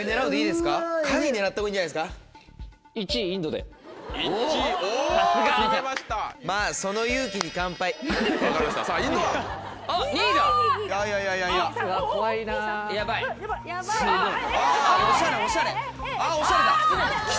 すごい。